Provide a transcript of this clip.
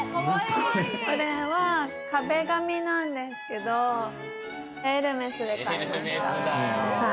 これは壁紙なんですけど、エルメスで買いました。